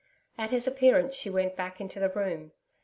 At his appearance, she went back into the room.